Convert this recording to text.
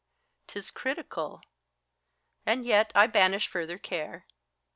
'T is critical ; and yet I banish further care.